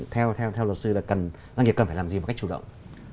theo luật sư là doanh nghiệp cần phải làm gì một cách chủ động